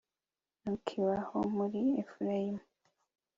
ntukibaho muri efurayimu